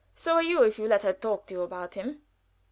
So are you if you let her talk to you about him."